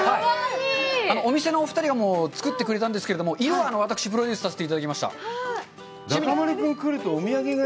お店のお二人が作ってくれたんですが、私がプロデュースさせていただきました、色。